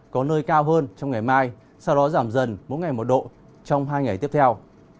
có nơi cao hơn trong ngày mai sau đó giảm dần mỗi ngày một độ trong hai ngày tiếp theo